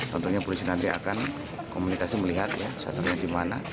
contohnya polisi nanti akan komunikasi melihat sasarnya di mana